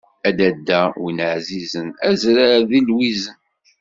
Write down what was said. A dadda win ɛzizen, azrar deg lwizen.